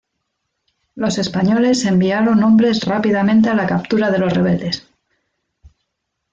Los españoles enviaron hombres rápidamente a la captura de los rebeldes.